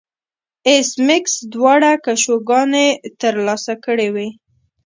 ایس میکس دواړه کشوګانې ترلاسه کړې وې